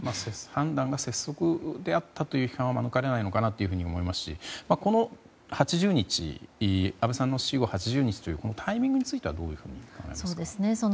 判断が拙速であったという批判は免れないのかなと思いますし、安倍さんの死後８０日というタイミングについてはどうでしょうか。